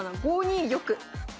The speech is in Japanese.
５二玉。